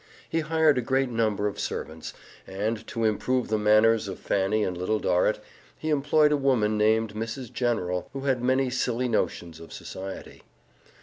He hired a great number of servants, and, to improve the manners of Fanny and Little Dorrit, he employed a woman named Mrs. General, who had many silly notions of society.